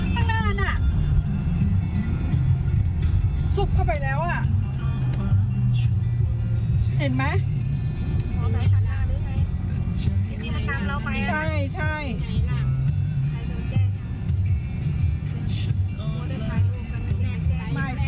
ไม่ที่เห็นเลยอ่ะเห็นพาตาอุ้ยชักอ่ะ